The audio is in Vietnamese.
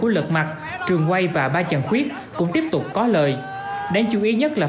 phim theo của lật mặt trường quay và ba chàng khuyết cũng tiếp tục có lời đánh chú ý nhất là